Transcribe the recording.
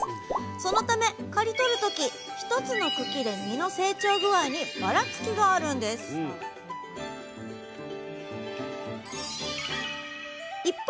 そのため刈り取る時一つの茎で実の成長具合にばらつきがあるんです一方